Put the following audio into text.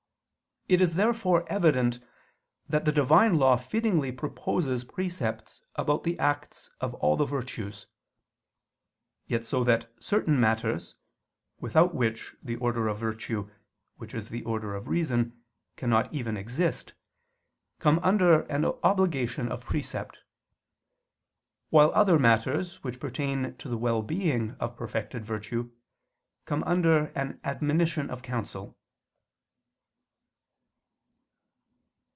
It is therefore evident that the Divine law fittingly proposes precepts about the acts of all the virtues: yet so that certain matters, without which the order of virtue, which is the order of reason, cannot even exist, come under an obligation of precept; while other matters, which pertain to the well being of perfect virtue, come under an admonition of counsel.